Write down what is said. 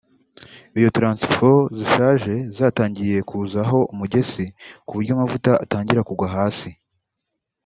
Iyo transfo zishaje zatangiye kuzaho umugesi ku buryo amavuta atangira kugwa hasi